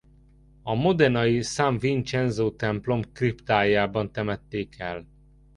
A modenai San Vincenzo templom kriptájában temették el.